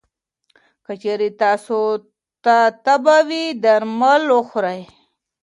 که چېرې تاسو ته تبه وي، نو درمل وخورئ.